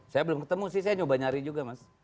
saya belum ketemu sih saya nyoba nyari juga mas